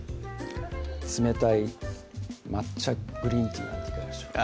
冷たい抹茶グリーンティーなんていかがでしょうか